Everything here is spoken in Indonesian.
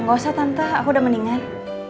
gak usah tante aku udah mendingan